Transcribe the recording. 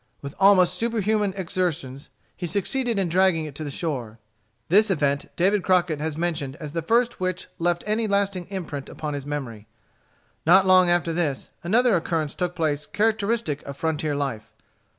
With almost superhuman exertions he succeeded in dragging it to the shore. This event David Crockett has mentioned as the first which left any lasting imprint upon his memory. Not long after this, another occurrence took place characteristic of frontier life.